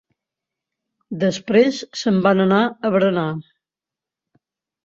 Després se'n van anar a berenar.